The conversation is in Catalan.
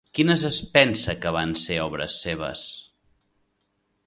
Quines es pensa que van ser obres seves?